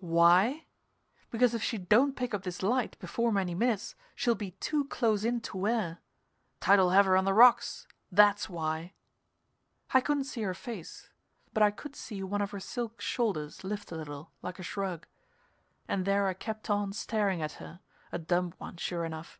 "Why? Because if she don't pick up this light before very many minutes she'll be too close in to wear tide'll have her on the rocks that's why!" I couldn't see her face, but I could see one of her silk shoulders lift a little, like a shrug. And there I kept on staring at her, a dumb one, sure enough.